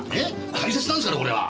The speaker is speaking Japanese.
大切なんですからこれは！